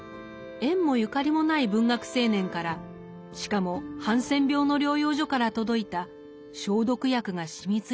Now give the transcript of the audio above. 縁もゆかりもない文学青年からしかもハンセン病の療養所から届いた消毒薬が染みついた手紙。